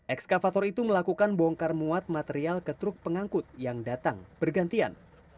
ekskavator itu melakukan bongkar muat material ke truk pengangkut yang datang bergantian